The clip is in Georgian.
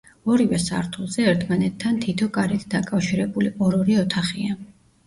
ორივე სართულზე, ერთმანეთთან თითო კარით დაკავშირებული, ორ-ორი ოთახია.